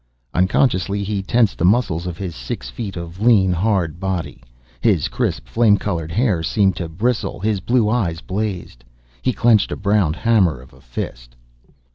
Unconsciously, he tensed the muscles of his six feet of lean, hard body. His crisp, flame colored hair seemed to bristle; his blue eyes blazed. He clenched a brown hammer of a fist.